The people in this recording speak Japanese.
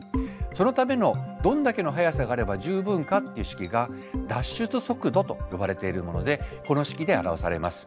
そのためのどんだけの速さがあれば十分かっていう式が脱出速度と呼ばれているものでこの式で表されます。